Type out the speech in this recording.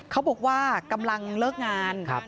เขาบอกว่ากำลังเลิกงาน